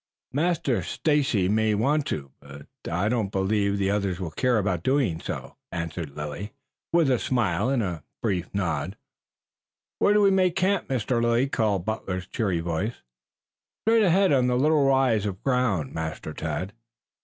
"Master Stacy may want to. I do not believe the others will care about doing so," answered Lilly with a smile and a brief nod. "Where do we make camp, Mr. Lilly?" called Butler's cheery voice. "Straight ahead on the little rise of ground, Master Tad."